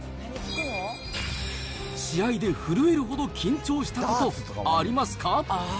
試合で震えるほど緊張したことありますか？